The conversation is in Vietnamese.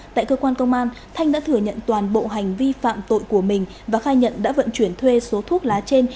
tại cơ quan công an thanh đã thừa nhận toàn bộ hành vi phạm tội của mình và khai nhận đã vận chuyển thuê số thuốc lá trên